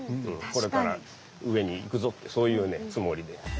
これから上に行くぞっていうそういうねつもりで。